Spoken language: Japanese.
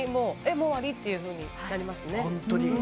もう終わり？っていうふうに感じますね。